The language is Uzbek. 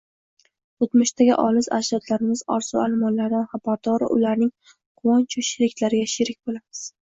o‘tmishdagi olis ajdodlarimiz orzu armonlaridan xabardoru ularning quvonchu sheriklariga sherik bo‘lamiz